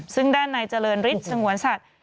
ซึ่งด้านในเจริญฤทธิ์สงวนสัตว์